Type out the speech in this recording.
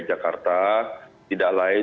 dan yang terakhir adalah tidak lain